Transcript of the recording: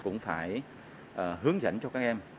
cũng phải hướng dẫn cho các em